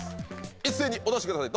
一斉にお出しください